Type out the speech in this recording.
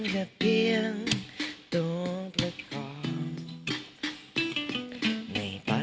ขอบคุณค่ะ